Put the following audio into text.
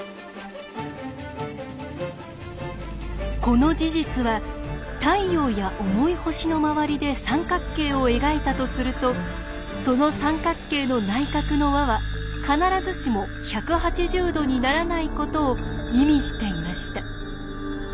この事実は太陽や重い星の周りで三角形を描いたとするとその三角形の内角の和は必ずしも１８０°にならないことを意味していました。